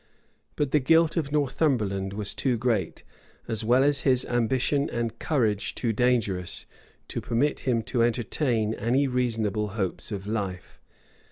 But the guilt of Northumberland was too great, as well as his ambition and courage too dangerous, to permit him to entertain any reasonable hopes of life.